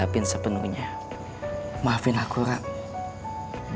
aku bangun sama sekalian di tahap dia di bawah talked